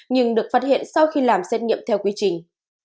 nhưng được phát hiện sau khi làm xét nghiệm theo quy trình